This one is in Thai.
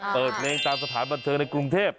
เปิดเพลงตามสถานบันเทิงในกรุงเทพ